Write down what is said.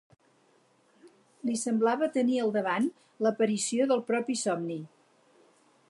L’hi semblava tenir al davant l'aparició del propi somni.